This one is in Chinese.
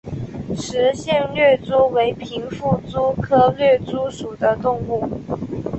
石隙掠蛛为平腹蛛科掠蛛属的动物。